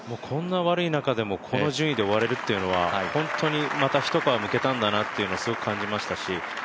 こんな悪い中でもこの順位で追われるというのは本当に、また一皮むけたんだなというのを感じましたし